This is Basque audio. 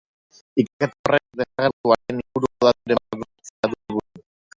Ikerketa horrek desagertuaren inguruko daturen bat lortzea du helburu.